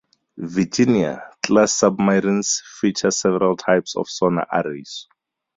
"Virginia"-class submarines feature several types of sonar arrays.